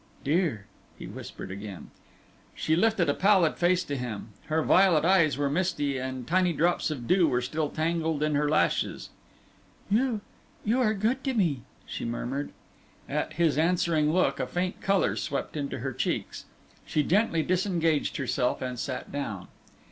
"Dear!" he whispered again. She lifted a pallid face to him. Her violet eyes were misty, and tiny drops of dew were still tangled in her lashes. "You you are good to me," she murmured. At his answering look, a faint colour swept into her cheeks. She gently disengaged herself and sat down.